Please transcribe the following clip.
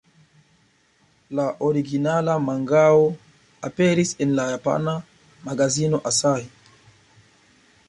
La originala mangao aperis en la japana magazino Asahi.